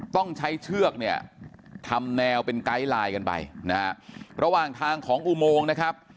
ต้องใช้เชือกเนี่ยทำแนวเป็นไกด์ไลน์กันไปนะฮะระหว่างทางของอุโมงนะครับ